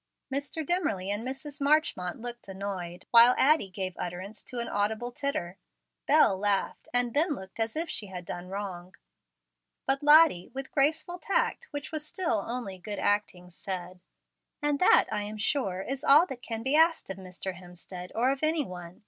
Mr. Dimmerly and Mrs. Marchmont looked annoyed, while Addie gave utterance to an audible titter. Bel laughed, and then looked as if she had done wrong. But Lottie, with graceful tact, which was still only good acting, said: "And that, I am sure, is all that can be asked of Mr. Hemstead or of any one.